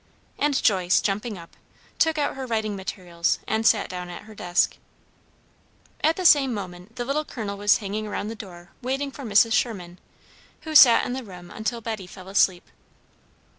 And Joyce, jumping up, took out her writing materials, and sat down at her desk. At the same moment the Little Colonel was hanging around the door waiting for Mrs. Sherman, who sat in the room until Betty fell asleep.